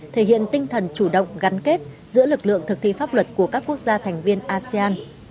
thể hiện tinh thần chủ động gắn kết giữa lực lượng thực thi pháp luật của các quốc gia thành viên asean